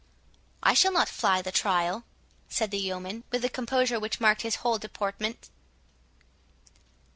"I shall not fly the trial," said the yeoman, with the composure which marked his whole deportment.